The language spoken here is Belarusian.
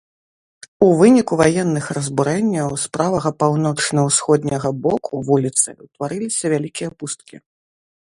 У выніку ваенных разбурэнняў з правага паўночна-ўсходняга боку вуліцы ўтварыліся вялікія пусткі.